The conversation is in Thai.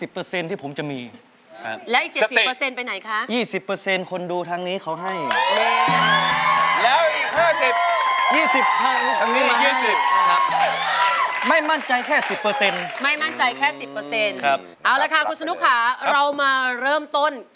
เป็นสไตล์เดินแกล่ง